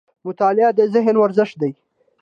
مطالعه د ذهن ورزش دی